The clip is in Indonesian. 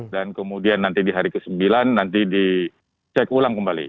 dan kemudian nanti di hari ke sembilan nanti dicek ulang kembali